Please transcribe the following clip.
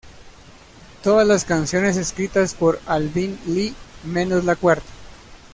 Todas las canciones escritas por Alvin Lee, menos la cuarta.